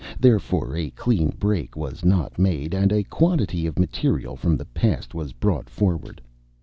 Therefore a clean break was not made, and a quantity of material from the past was brought forward.